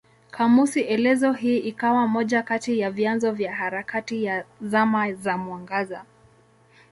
Kamusi elezo hii ikawa moja kati ya vyanzo vya harakati ya Zama za Mwangaza.